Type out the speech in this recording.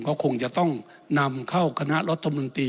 ก็คงจะต้องนำเข้าคณะรถธรรมดิ